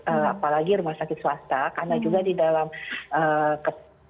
apalagi rumah sakit swasta karena juga di dalam kesehatan